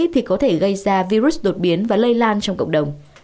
thì có thể gây ra virus đột biến và lây lan trong cộng đồng